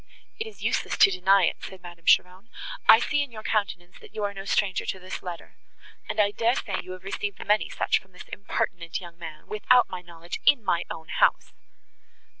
"It is useless to deny it," said Madame Cheron, "I see in your countenance, that you are no stranger to this letter; and, I dare say, you have received many such from this impertinent young man, without my knowledge, in my own house."